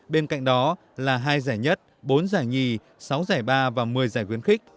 bên cạnh đó là hai giải nhất bốn giải nhì sáu giải ba và một mươi giải khuyến khích